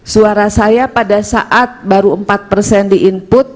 suara saya pada saat baru empat persen di input